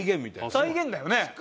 再現だよね。